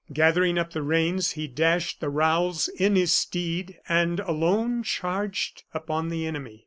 Gathering up the reins, he dashed the rowels in his steed and, alone, charged upon the enemy.